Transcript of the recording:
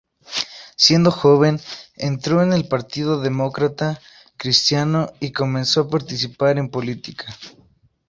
Siendo joven, entró en el partido demócrata cristiano y comenzó a participar en política.